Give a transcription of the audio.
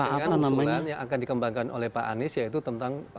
ini terkait dengan yang akan dikembangkan oleh pak anies yaitu tentang